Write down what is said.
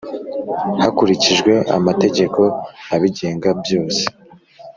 hakurikijwe amategeko abigenga byose.